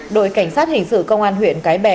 đội cảnh sát hình sự công an huyện cái bè